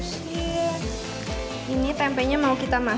sampai air dari bawangnya masuk ke dalamnya